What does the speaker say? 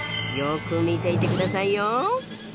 よく見ていて下さいよ。